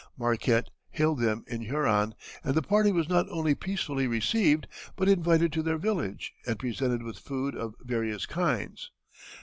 Marquette hailed them in Huron, and the party was not only peacefully received, but invited to their village and presented with food of various kinds.